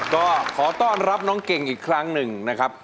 ก็ขอต้อนรับน้องเก่งอีกครั้งหนึ่งนะครับ